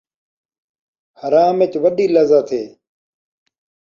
حرام ءِچ وݙی لذت ہے